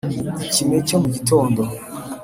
ikime cyo mu gitondo